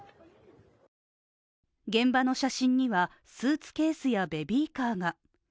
現場の写真には、スーツケースやベビーカーが。